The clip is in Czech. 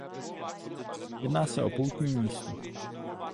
Jedná se o poutní místo.